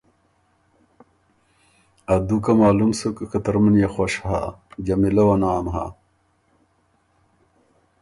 ا دُوکه معلوم سُک که ترمُن يې خوش هۀ، جمیلۀ وه نام هۀ۔